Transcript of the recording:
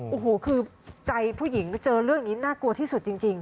โอ้โหคือใจผู้หญิงเจอเรื่องนี้น่ากลัวที่สุดจริง